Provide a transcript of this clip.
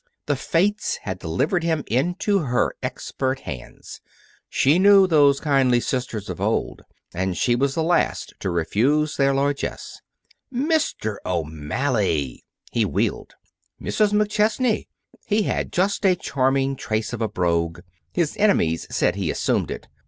The Fates had delivered him into her expert hands. She knew those kindly sisters of old, and she was the last to refuse their largesse. "Mr. O'Malley!" He wheeled. "Mrs. McChesney!" He had just a charming trace of a brogue. His enemies said he assumed it.